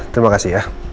terima kasih ya